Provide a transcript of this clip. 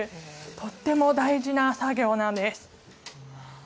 とっても大事な作業なんです。